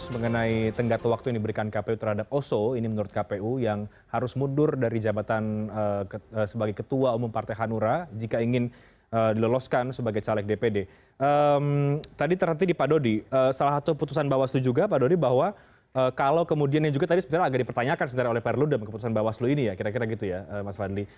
bawaslu juga pak dodi bahwa kalau kemudiannya juga tadi agak dipertanyakan oleh pak erludem keputusan bawaslu ini ya kira kira gitu ya mas fandi